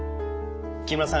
木村さん